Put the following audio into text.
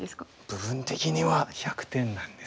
部分的には１００点なんです。